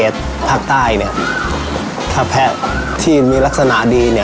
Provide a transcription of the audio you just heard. ถ้าแผ่ที่มีลักษณะดี